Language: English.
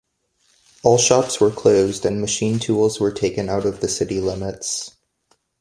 All shops were closed, and machine tools were taken out of the city limits.